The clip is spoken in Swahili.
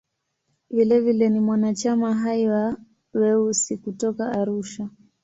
Vilevile ni mwanachama hai wa "Weusi" kutoka Arusha.